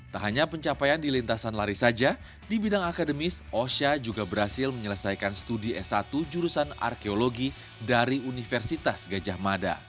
tak hanya pencapaian di lintasan lari saja di bidang akademis osha juga berhasil menyelesaikan studi s satu jurusan arkeologi dari universitas gajah mada